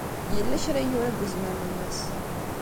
Yella kra ay yura deg uzmam-nnes.